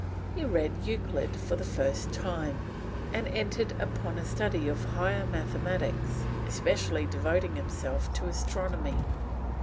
He read Euclid for the first time, and entered upon a study of higher mathematics, especially devoting himself to astronomy.